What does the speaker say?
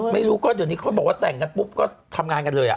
ไม่รู้วันนี้เค้าบอกว่าแต่งกันปุ๊บก็ทำงานกันเลย